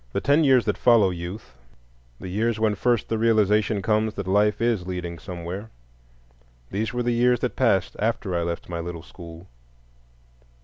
The ten years that follow youth, the years when first the realization comes that life is leading somewhere,—these were the years that passed after I left my little school.